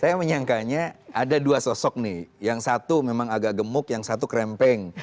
saya menyangkanya ada dua sosok nih yang satu memang agak gemuk yang satu krempeng